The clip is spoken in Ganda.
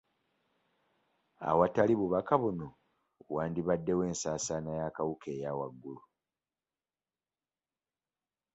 Awatali bubaka buno, wandibaddewo ensaasaana y'akawuka eya waggulu.